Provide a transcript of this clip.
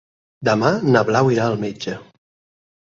Demà na Blau irà al metge.